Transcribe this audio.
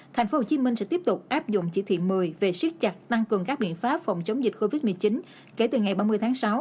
tp hcm sẽ tiếp tục áp dụng chỉ thị một mươi về siết chặt tăng cường các biện pháp phòng chống dịch covid một mươi chín kể từ ngày ba mươi tháng sáu